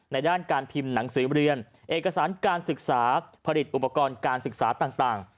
ด้านการพิมพ์หนังสือเรียนเอกสารการศึกษาผลิตอุปกรณ์การศึกษาต่าง